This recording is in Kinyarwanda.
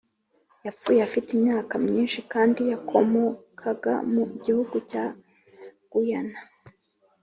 yapfuye afite imyaka myinshi kandi yakomokaga mu gihugu cya Guyana